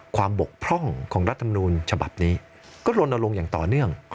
บกพร่องของรัฐมนูลฉบับนี้ก็ลนลงอย่างต่อเนื่อง